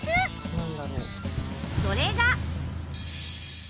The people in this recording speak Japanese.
それが。